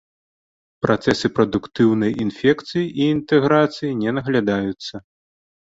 Працэсы прадуктыўнай інфекцыі і інтэграцыі не наглядаюцца.